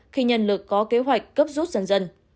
khi nhân lực có kế hoạch cấp rút dần dần